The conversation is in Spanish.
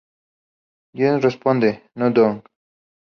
Jen responde: "¡No, Doug!